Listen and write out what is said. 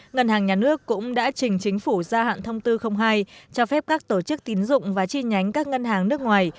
ngân hàng nhà nước cũng đã trình chính phủ gia hạn thông tư hai cho phép các tổ chức tín dụng và chi nhánh các ngân hàng nước ngoài